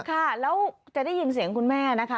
ค่ะแล้วจะได้ยินเสียงคุณแม่นะคะ